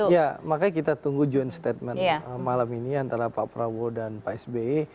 ya makanya kita tunggu joint statement malam ini antara pak prabowo dan pak sby